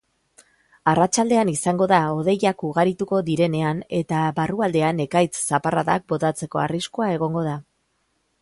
Arratsaldean izango da hodeiak ugarituko direnean eta barrualdean ekaitz-zaparradak botatzeko arriskua egongo da.